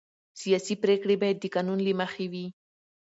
سیاسي پرېکړې باید د قانون له مخې وي